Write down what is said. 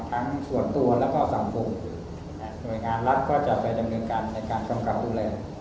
ทั้งส่วนตัวแล้วก็สังคมหน่วยงานรัฐก็จะไปดำเนินการในการกำกับดูแล